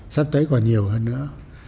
sắp tới còn nhiều hơn nữa